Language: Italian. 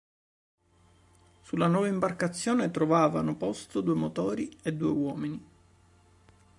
Sulla nuova imbarcazione trovavano posto due motori e due uomini.